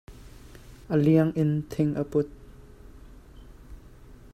A liang in thing a put.